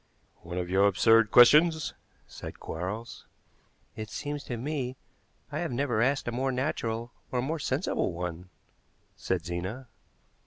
"One of your absurd questions," said Quarles. "It seems to me I have never asked a more natural or a more sensible one," said Zena.